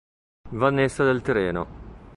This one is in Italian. Vanessa del Tirreno.